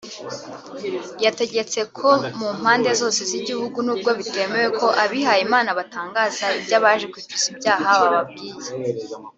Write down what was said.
yategetse ko mu mpande zose z’igihugu n’ubwo bitemewe ko abihayimana batangaza iby’abaje kwicuza ibyaha bababwiye